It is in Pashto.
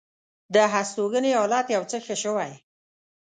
د هستوګنې حالت یو څه ښه شوی.